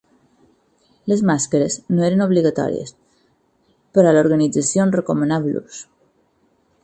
Les màscares no eren obligatòries, però l’organització en recomanava l’ús.